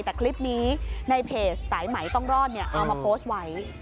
แต่คลิปนี้ในเพจสายไหมต้องรอดเอามาโพสต์ไว้